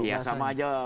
iya sama aja